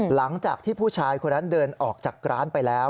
หลังจากที่ผู้ชายคนนั้นเดินออกจากร้านไปแล้ว